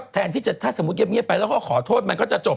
แทนถ้าเย็บเงียบไปแล้วก็ขอโทษมันก็จะจบ